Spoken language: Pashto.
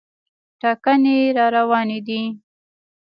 ټاکنې راروانې دي.